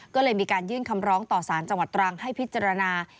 ก็เลยมีการยื่นคำร้องต่อสารจังหวัดตรังให้พิจารณา